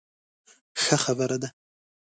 ښه خبره ده.